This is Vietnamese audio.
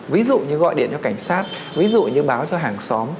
ví dụ như gọi điện cho cảnh sát ví dụ như báo cho hàng xóm